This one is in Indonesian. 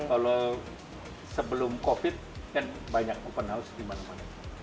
kalau sebelum covid kan banyak open house dimana mana